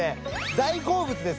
大好物です